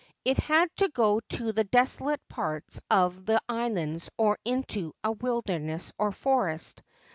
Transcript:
It had to go to the desolate parts of the islands or into a wilderness or forest.